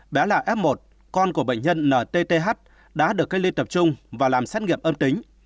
bé là f một con của bệnh nhân n t t h đã được cách ly tập trung và làm xét nghiệm âm tính